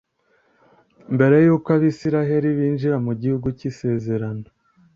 Mbere yuko Abisirayeli binjira mu Gihugu cyIsezerano